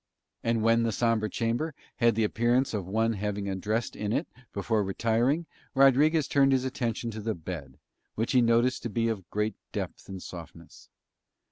And when the sombre chamber had the appearance of one having undressed in it before retiring Rodriguez turned his attention to the bed, which he noticed to be of great depth and softness.